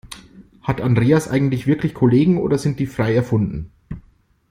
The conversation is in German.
Hat Andreas eigentlich wirklich Kollegen, oder sind die frei erfunden?